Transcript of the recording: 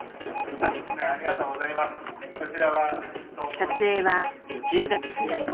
撮影は１０月末。